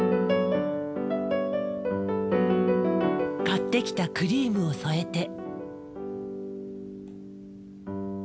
買ってきたクリームを添えて。